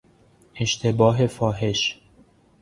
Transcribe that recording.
اشتباه فاحش